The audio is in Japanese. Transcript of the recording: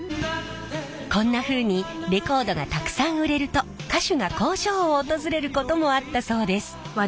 こんなふうにレコードがたくさん売れると歌手が工場を訪れることもあったそうです。